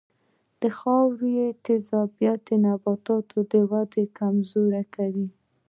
د خاورې تیزابیت د نبات وده کمزورې کوي.